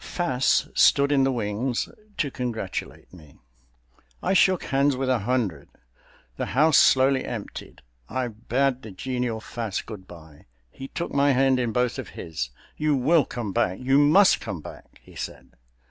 Fass stood in the wings to congratulate me. I shook hands with a hundred. The house slowly emptied. I bade the genial Fass good by. He took my hand in both of his. "You will come back! You must come back!" he said.